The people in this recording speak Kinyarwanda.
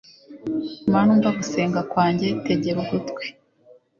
Mana umva gusenga kwanjye tegera ugutwi